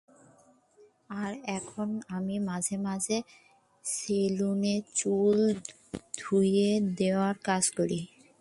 আর এখন আমি মাঝে মাঝে সেলুনে চুল ধুয়ে দেওয়ার কাজ করি।